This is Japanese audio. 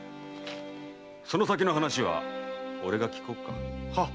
その先の話は俺が聞こうか。